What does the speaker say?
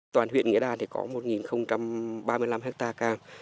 toàn huyện nghĩa đan có một ba mươi năm hectare cam